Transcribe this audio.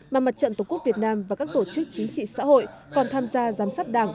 mà mặt trận tổ quốc việt nam và các tổ chức chính trị xã hội còn tham gia giám sát đảng